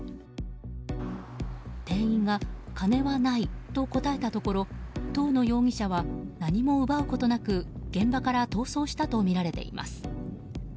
店員が金はないと答えたところ東野容疑者は何も奪うことなく現場から逃走したとみられています。